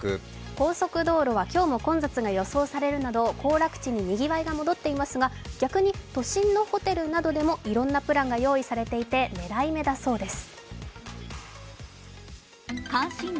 高速道路は今日も混雑が予想されるなど、行楽地ににぎわいが戻っていますが、逆に都心のホテルなどでもいろんなプランが用意されていて狙い目だそうです。